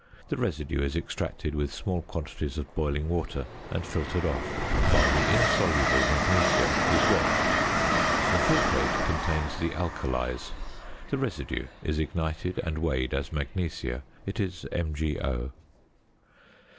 The residue is extracted with small quantities of boiling water and filtered off; while the insoluble magnesia is washed. The filtrate contains the alkalies. The residue is ignited, and weighed as magnesia. It is MgO.